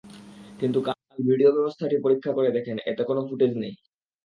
কিন্তু কাল ভিডিও ব্যবস্থাটি পরীক্ষা করে দেখেন, এতে কোনো ফুটেজ নেই।